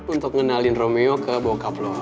untuk ngenalin romeo ke bokap loh